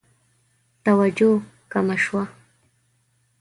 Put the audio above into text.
توجه کمه شوه.